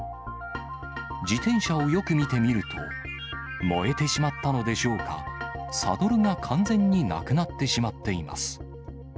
自転車をよく見てみると、燃えてしまったのでしょうか、サドルが完全になくなってしまっています。